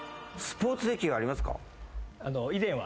以前は。